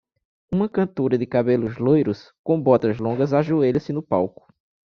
Uma cantora de cabelos loiros com botas longas ajoelha-se no palco.